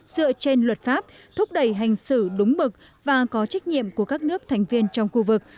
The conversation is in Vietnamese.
dựa trên luật pháp thúc đẩy hành xử đúng mực và có trách nhiệm của các nước thành viên trong khu vực